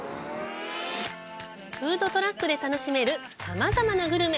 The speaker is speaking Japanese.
フードトラックで楽しめるさまざまなグルメ。